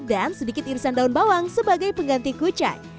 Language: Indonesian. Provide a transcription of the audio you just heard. dan sedikit irisan daun bawang sebagai pengganti kucai